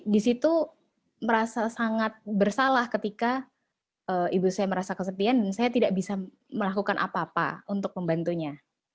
di situ merasa sangat bersalah ketika ibu saya merasa kesepian dan saya tidak bisa melakukan apa apa untuk membantunya